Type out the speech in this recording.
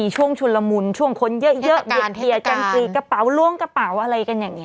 ชุนละมุนช่วงคนเยอะเวียนเทียนกระเป๋าล้วงกระเป๋าอะไรกันอย่างนี้